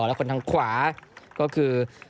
และคนทางขวาก็คือ